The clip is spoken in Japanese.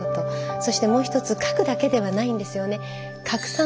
そしてもう一つ書くだけではないんですよね。